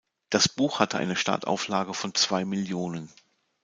Das Buch hatte eine Startauflage von zwei Millionen.